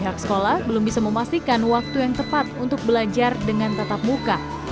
pihak sekolah belum bisa memastikan waktu yang tepat untuk belajar dengan tetap muka